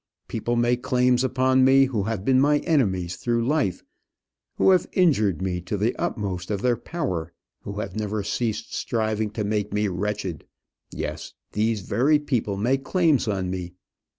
People make claims upon me who have been my enemies through life, who have injured me to the utmost of their power, who have never ceased striving to make me wretched. Yes, these very people make claims on me.